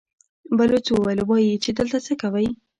بلوڅ وويل: وايي چې دلته څه کوئ؟